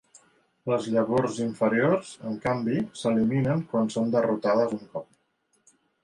Les llavors inferiors, en canvi, s'eliminen quan són derrotades un cop.